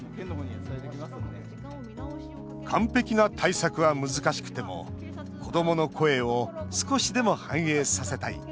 完璧な対策は難しくても子どもの声を少しでも反映させたい。